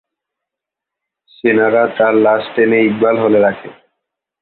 সেনারা তার লাশ টেনে নিয়ে ইকবাল হলে রাখে।